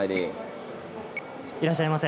いらっしゃいませ。